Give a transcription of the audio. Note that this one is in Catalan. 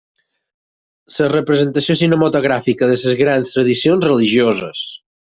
La representació cinematogràfica de les grans tradicions religioses.